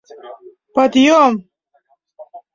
— Подъём!